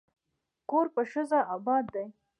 کور په ښځه اباد دی.